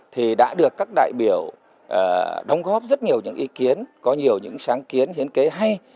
thì đã được các đại biểu đóng góp rất nhiều những ý kiến có nhiều những sáng kiến hiến kế hay